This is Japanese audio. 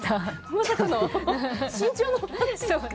まさかの身長のこと！？